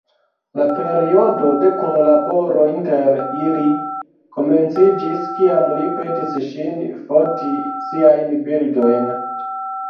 La periodo de kunlaboro inter ili komenciĝis kiam li petis ŝin foti siajn bildojn.